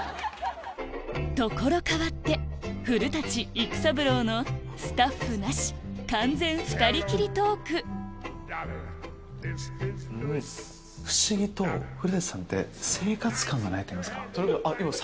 所変わって古育三郎のスタッフなし完全２人きりトーク不思議と古さんって生活感がないといいますか。